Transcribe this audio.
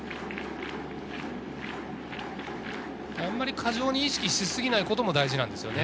過剰に意識しすぎないことも大事なんですよね。